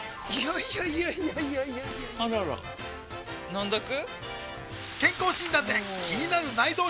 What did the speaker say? いやいやいやいやあらら飲んどく？